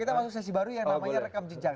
kita masuk sesi baru yang namanya rekam jejak